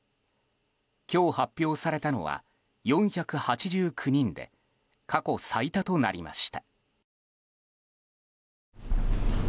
今日発表されたのは４８９人で過去最多となりました。